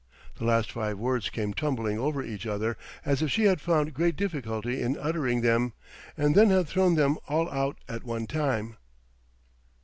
The last five words came tumbling over each other, as if she had found great difficulty in uttering them, and then had thrown them all out at one time.